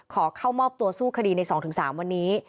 ขอเข้ามอบตัวสู้คดีใน๒๓วันนี้